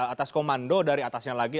atas komando dari atasnya lagi